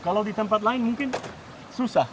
kalau di tempat lain mungkin susah